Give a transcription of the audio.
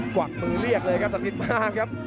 วักมือเรียกเลยครับศักดิ์สิทธิ์มากครับ